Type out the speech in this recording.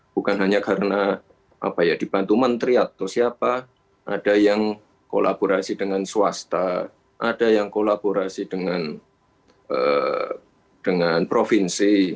bukan hanya karena dibantu menteri atau siapa ada yang kolaborasi dengan swasta ada yang kolaborasi dengan provinsi